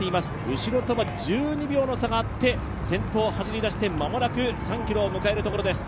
後ろとは１２秒の差があって、先頭を走り出して間もなく３ｋｍを迎えるところです。